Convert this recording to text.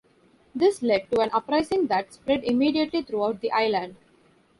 This led to an uprising that spread immediately throughout the island.